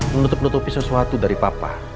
menutup nutupi sesuatu dari papa